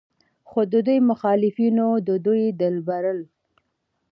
خو د دوي مخالفينو د دوي د لبرل